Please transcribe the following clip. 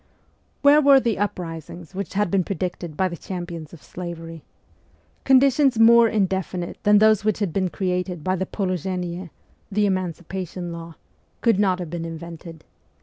Where were the uprisings which had been predicted by the champions of slavery? Conditions more in definite than those which had been created by the 168 MEMOIRS OF A REVOLUTIONIST Polozh6nie (the emancipation law) could not have been invented.